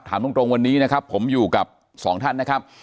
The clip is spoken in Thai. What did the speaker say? ถามตรงวันนี้นะครับผมอยู่กับสองท่านนะครับ